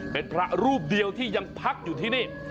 เป็นพระรูปเดียวที่ยังพักอยู่ที่นี่